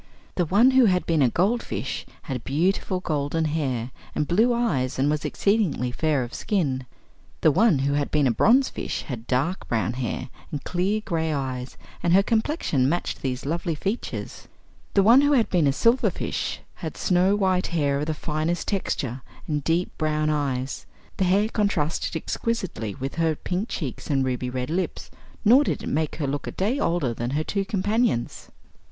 The one who had been a goldfish had beautiful golden hair and blue eyes and was exceedingly fair of skin; the one who had been a bronzefish had dark brown hair and clear gray eyes and her complexion matched these lovely features. The one who had been a silverfish had snow white hair of the finest texture and deep brown eyes. The hair contrasted exquisitely with her pink cheeks and ruby red lips, nor did it make her look a day older than her two companions.